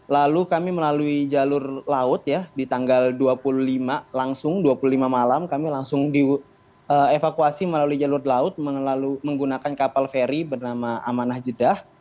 lalu kami melalui jalur laut ya di tanggal dua puluh lima langsung dua puluh lima malam kami langsung dievakuasi melalui jalur laut menggunakan kapal feri bernama amanah jeddah